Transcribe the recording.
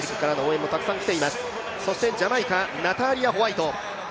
ジャマイカ、ナターリア・ホワイト。